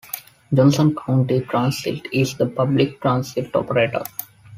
Johnson County Transit is the public transit operator.